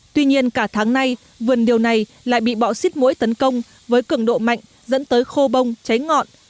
tuy nhiên cả tháng nay vườn điều này lại bị bọ xít mũi tấn công với cường độ mạnh dẫn tới khô bông cháy ngọn